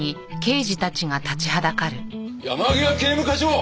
山際警務課長！